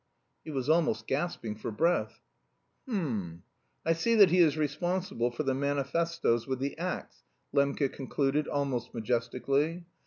He was almost gasping for breath. "H'm. I see that he is responsible for the manifestoes with the axe," Lembke concluded almost majestically.